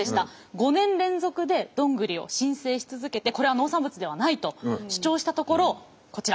５年連続でドングリを申請し続けてこれは農産物ではないと主張したところこちら。